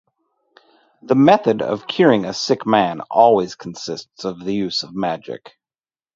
The method of curing a sick man always consists of the use of magic.